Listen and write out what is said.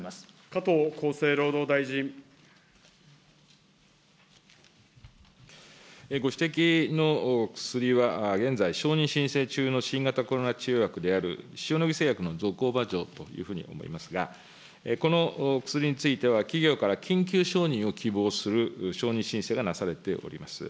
加藤厚生労働大臣。ご指摘の薬は現在、承認申請中の新型コロナ治療薬である塩野義製薬のというふうに思いますが、この薬については、企業から緊急承認を希望する承認申請がなされております。